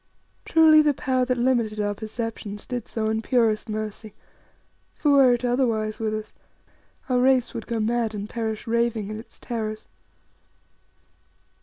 Truly, the Power that limited our perceptions did so in purest mercy, for were it otherwise with us, our race would go mad and perish raving in its terrors.